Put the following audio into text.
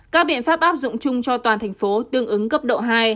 các biện pháp áp dụng chung cho toàn thành phố tương ứng cấp độ hai